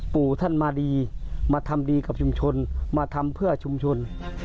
ปู่ท่านมาดีมาทำดีกับชุมชนมาทำเพื่อชุมชน